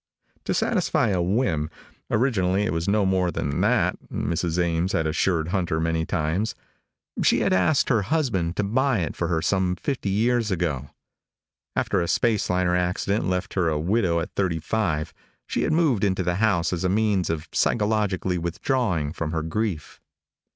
To satisfy a whim originally it was no more than that, Mrs. Ames had assured Hunter many times she had asked her husband to buy it for her some fifty years ago. After a space liner accident left her a widow at thirty five, she had moved into the house as a means of psychologically withdrawing from her grief.